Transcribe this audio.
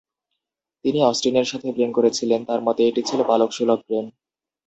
তিনি অস্টিনের সাথে প্রেম করেছিলেন, তার মতে এটি ছিল বালকসুলভ প্রেম।